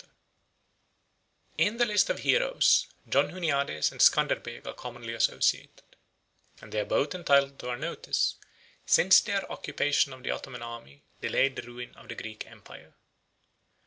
] In the list of heroes, John Huniades and Scanderbeg are commonly associated; 35 and they are both entitled to our notice, since their occupation of the Ottoman arms delayed the ruin of the Greek empire.